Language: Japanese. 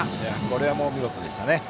これは見事でしたね。